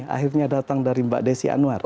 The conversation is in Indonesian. akhirnya datang dari mbak desi anwar